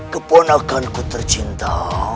keponakan ku tercinta